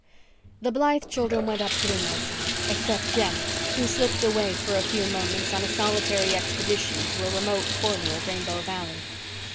The Blythe children went up to Ingleside, except Jem, who slipped away for a few moments on a solitary expedition to a remote corner of Rainbow Valley.